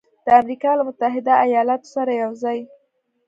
د امریکا له متحده ایالاتو سره یوځای